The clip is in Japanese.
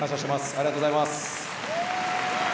ありがとうございます。